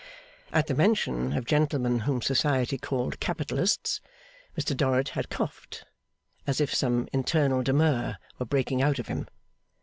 At the mention of gentlemen whom Society called capitalists, Mr Dorrit had coughed, as if some internal demur were breaking out of him.